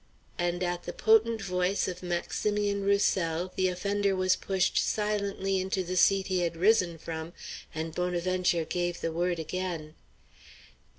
And at the potent voice of Maximian Roussel the offender was pushed silently into the seat he had risen from, and Bonaventure gave the word again.